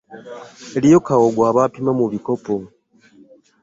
Eriyo kawo gwe bapima mu bikopo.